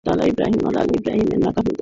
আপনার ছেলেকে কিছু আদবকায়দা শেখানো উচিৎ।